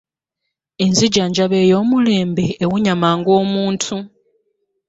Enzijanjaba ey'omulembe ewonya mangu omuntu.